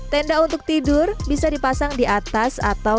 tenda untuk tidur bisa dipasang di atas atau